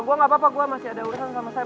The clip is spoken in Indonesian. gue gapapa gue masih ada urusan sama sam